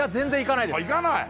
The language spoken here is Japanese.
行かない！？